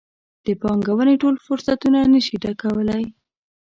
د پانګونې ټول فرصتونه نه شي ډکولی.